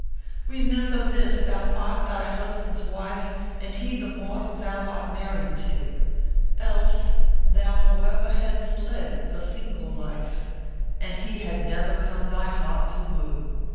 127 Remember this : thou art thy husband s wife, And he the mortal thou art married to ; Else, thou fore er hadst led a single life, And he had never come thy heart to woo.